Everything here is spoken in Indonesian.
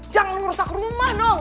jangan merusak rumah dong